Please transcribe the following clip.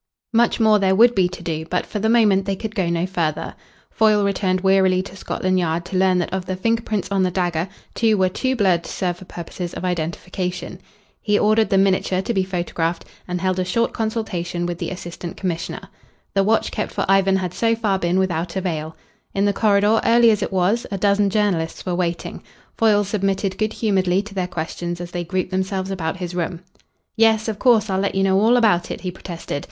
Much more there would be to do, but for the moment they could go no further. Foyle returned wearily to Scotland Yard to learn that of the finger prints on the dagger two were too blurred to serve for purposes of identification. He ordered the miniature to be photographed, and held a short consultation with the assistant commissioner. The watch kept for Ivan had so far been without avail. In the corridor, early as it was, a dozen journalists were waiting. Foyle submitted good humouredly to their questions as they grouped themselves about his room. "Yes. Of course, I'll let you know all about it," he protested.